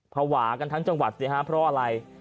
ภาวะกันทั้งจังหวัดเนี่ยครับเพราะอะไร